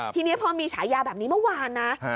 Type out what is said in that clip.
ทีนี้พอมีฉายาแบบนี้เมื่อวานนะ